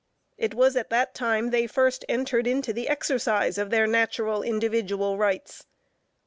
It was at that time they first entered into the exercise of their natural, individual rights.